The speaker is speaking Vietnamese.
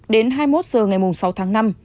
đến hai mươi một h ngày sáu tháng năm